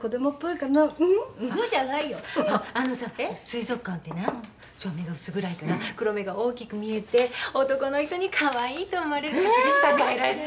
水族館ってね照明が薄暗いから黒目が大きく見えて男の人にカワイイと思われる確率高いらしいよ。